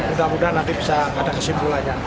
mudah mudahan nanti bisa ada kesimpulannya